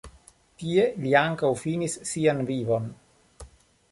Tie li ankaŭ finis sian vivon.